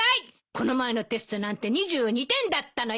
この前のテストなんて２２点だったのよ。